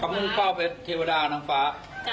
การมุ่งเก้าเพชรเทวดานางฟ้า